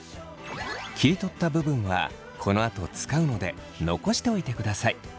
切り取った部分はこのあと使うので残しておいてください。